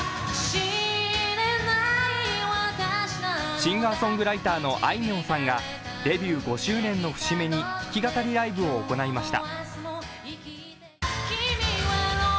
シンガーソングライターのあいみょんさんがデビュー５周年の節目に弾き語りライブを行いました。